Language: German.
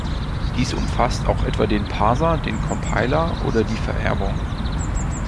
Dies umfasst auch etwa den Parser, den Compiler oder die Vererbung.